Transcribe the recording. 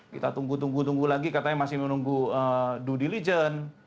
kita tunggu tunggu lagi katanya masih menunggu due diligence